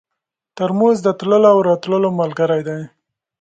ترموز د تللو او راتلو ملګری دی.